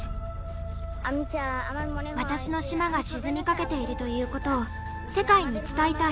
私の島が沈みかけているということを世界に伝えたい。